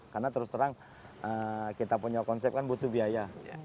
karena terus terang kita punya konsep kan butuh biaya